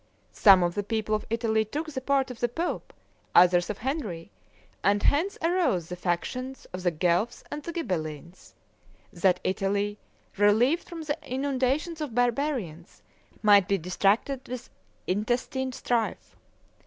Some of the people of Italy took the part of the pope, others of Henry; and hence arose the factions of the Guelphs and the Ghibellines; that Italy, relieved from the inundations of barbarians, might be distracted with intestine strife.